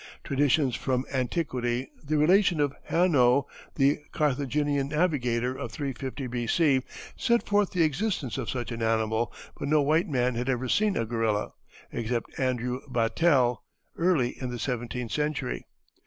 Traditions from antiquity, the relation of Hanno, the Carthaginian navigator of 350 B.C., set forth the existence of such an animal, but no white man had ever seen a gorilla, except Andrew Battell, early in the seventeenth century.